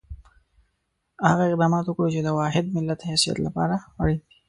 هغه اقدامات وکړو چې د واحد ملت حیثیت لپاره اړین دي.